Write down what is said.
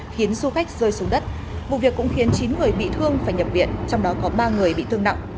khiến du khách rơi xuống đất vụ việc cũng khiến chín người bị thương phải nhập viện trong đó có ba người bị thương nặng